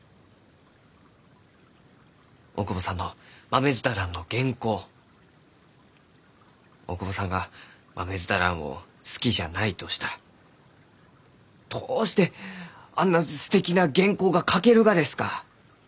大窪さんの「まめづたらん」の原稿大窪さんがマメヅタランを好きじゃないとしたらどうしてあんなすてきな原稿が書けるがですか？